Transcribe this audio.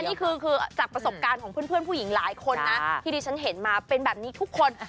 นี่คือจากประสบการณ์ของเพื่อนผู้หญิงหลายคนนะที่ดิฉันเห็นมาเป็นแบบนี้ทุกคน